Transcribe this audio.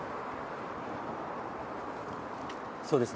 そうですね。